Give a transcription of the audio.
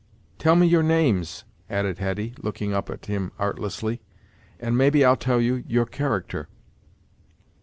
"Tell me your names," added Hetty, looking up at him artlessly, "and, maybe, I'll tell you your character."